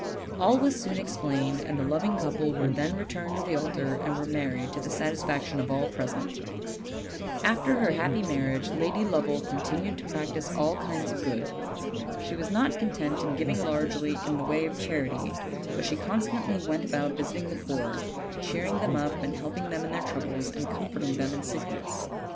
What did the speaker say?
All was soon explained, and the loving couple then returned to the altar and were married, to the sat isfaction of all present. After her happy marriage Lady Lovell continued to OLD, OLD FAIRY TALES. 15 practice all kinds of good. She was not content in giv ing largely in the way of charity, but she constantly went about visiting the poor, cheering them up and helping them in their troubles, and comforting them in sickness.